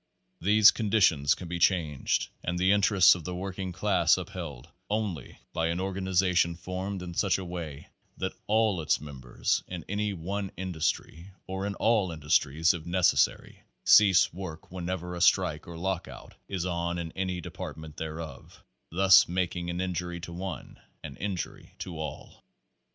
These conditions can be changed and the interest of the working class upheld only by an organization Page Nine formed in such a way that all its members in any one industry, or in all industries if necessary, cease work whenever a strike or lockout is on in any department thereof, thus making an injury to one an injury to all.